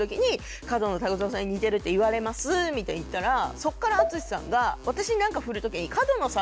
みたいに言ったらそっから淳さんが私に何か振る時に。